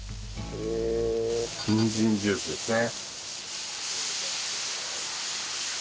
にんじんジュースですね。